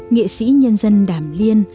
nghệ sĩ nhân dân đàm liên